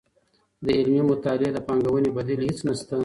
د علمي مطالعې د پانګوونې بدیل هیڅ نشته.